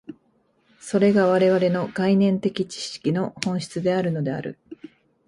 それが我々の概念的知識の本質であるのである。